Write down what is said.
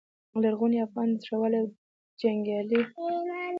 لرغوني افغانان زړور او جنګیالي وو